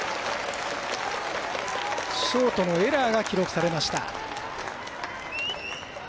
ショートのエラーが記録されました。